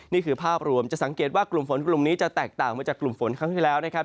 นี่คือภาพรวมจะสังเกตว่ากลุ่มฝนกลุ่มนี้จะแตกต่างมาจากกลุ่มฝนครั้งที่แล้วนะครับ